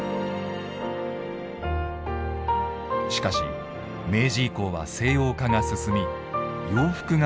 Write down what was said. しかし明治以降は西洋化が進み洋服が普段着に。